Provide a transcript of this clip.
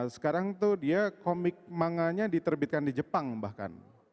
sekarang tuh dia komik manganya diterbitkan di jepang bahkan